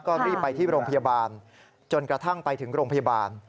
ก็รีบไปที่โรงพยาบาลจนกระทั่งไปถึงโรงพยาบาล